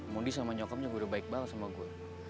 mondi sama nyokapnya udah baik banget sama gue